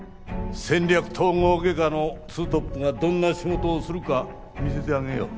戦略統合外科のツートップがどんな仕事をするか見せてあげよう。